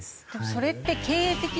それって経営的には。